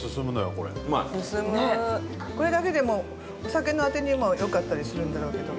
これだけでもお酒のあてにもよかったりするんだろうけど。